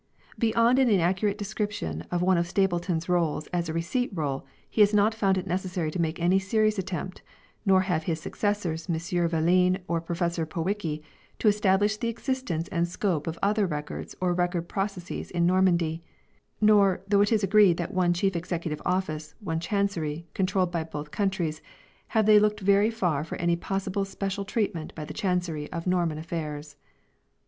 Beyond an in accurate description of one of Stapleton's Rolls as a Receipt Roll he has not found it necessary to make any serious attempt, nor have his successors Monsieur Valin and Prof. Powicke, to establish the existence and scope of other records or record processes in Normandy ; l nor, though it is agreed that one chief executive office, one chancery, controlled both coun tries, have they looked very far for any possible special treatment by the Chancery of Norman affairs.